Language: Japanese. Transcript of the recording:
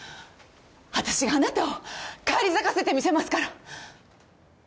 あたしがあなたを返り咲かせてみせますから。